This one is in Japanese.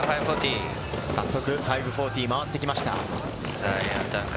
早速５４０、回ってきました。